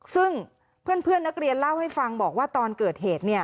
ซึ่งเพื่อนนักเรียนเล่าให้ฟังบอกว่าตอนเกิดเหตุเนี่ย